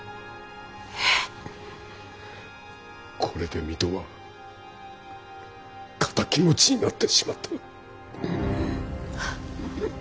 これで水戸は敵持ちになってしまった。